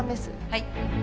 はい。